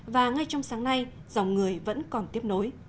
và ngay trong sáng nay dòng người vẫn còn tiếp nối